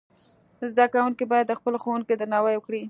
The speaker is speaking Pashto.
زدهکوونکي باید د خپلو ښوونکو درناوی وکړي.